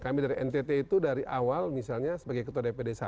kami dari ntt itu dari awal misalnya sebagai ketua dpd satu